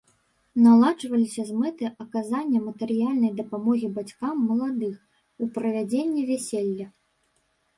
Наладжваліся з мэтай аказання матэрыяльнай дапамогі бацькам маладых у правядзенні вяселля.